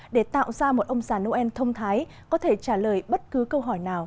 để tạo ra một ông già noel thông thái có thể trả lời bất cứ câu hỏi nào